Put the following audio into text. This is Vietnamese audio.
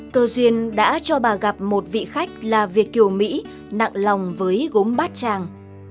cơ duyên đã cho bà gặp một vị khách là việt kiều mỹ nặng lòng với gốm bát tràng